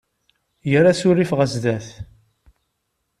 Ger asurif ɣer zzat.